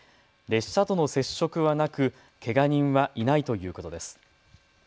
列車との接触はなくけが人はいないということです。